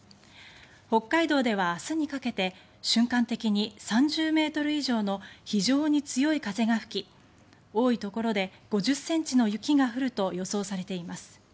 北海道では明日にかけて瞬間的に３０ｍ以上の非常に強い風が吹き多いところで５０ｃｍの雪が降ると予想されています。